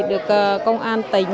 được công an tỉnh